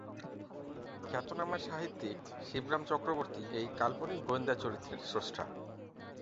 খ্যাতনামা সাহিত্যিক শিবরাম চক্রবর্তী এই কাল্পনিক গোয়েন্দা চরিত্রের স্রষ্টা।